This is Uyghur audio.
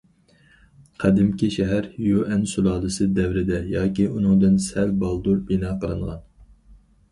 قەدىمكى شەھەر يۈەن سۇلالىسى دەۋرىدە ياكى ئۇنىڭدىن سەل بالدۇر بىنا قىلىنغان.